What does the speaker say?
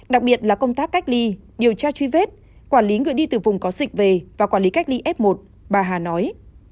đặc biệt là công tác cách ly điều tra truy vết quản lý người đi từ vùng có dịch về và quản lý cách ly f một bà hà nói